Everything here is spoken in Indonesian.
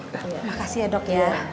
terima kasih ya dok